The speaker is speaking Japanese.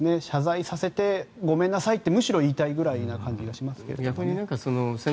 謝罪させてごめんなさいってむしろ言いたいぐらいな感じがしますけどね。